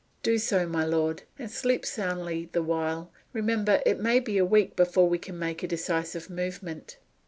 "Do so, my lord; and sleep soundly the while. Remember, it may be a week before we can make a decisive movement."